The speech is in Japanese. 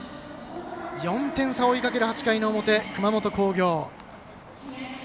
４点差追いかける８回の表熊本工業。